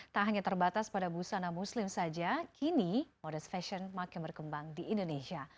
tak hanya terbatas pada busana muslim saja kini modest fashion makin berkembang di indonesia